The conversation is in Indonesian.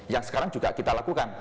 yang sekarang juga kita lakukan